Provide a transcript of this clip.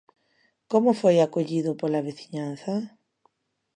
Como foi acollido pola veciñanza?